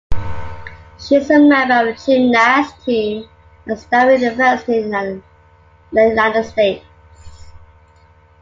She is a member of gymnast team at Stanford University in the United States.